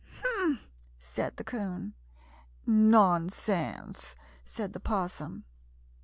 "Humph!" said the 'Coon. "Nonsense!" said the 'Possum.